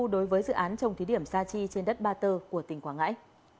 đối với dự án trồng thí điểm sa chi trên đất ba tơ của tỉnh quảng ngãi